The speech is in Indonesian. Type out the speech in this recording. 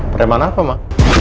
preman apa ma